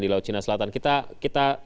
di laut cina selatan kita